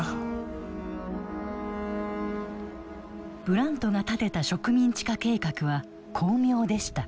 ブラントが立てた植民地化計画は巧妙でした。